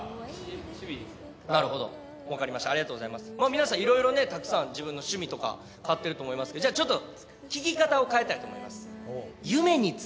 皆さん色々ねたくさん自分の趣味とか買ってると思いますけどじゃあちょっと聞き方を変えたいと思います。